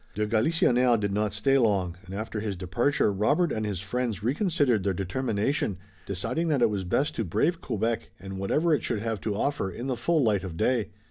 De Galisonnière did not stay long, and after his departure Robert and his friends reconsidered their determination, deciding that it was best to brave Quebec and whatever it should have to offer in the full light of day.